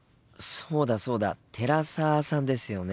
そうだそうだ寺澤さんですよね。